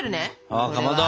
あっかまど。